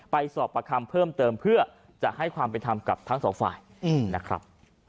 สอบประคำเพิ่มเติมเพื่อจะให้ความเป็นธรรมกับทั้งสองฝ่ายนะครับ